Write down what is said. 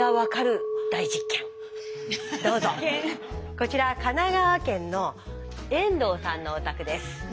こちら神奈川県の遠藤さんのお宅です。